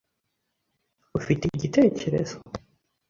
Ufite igitekerezo?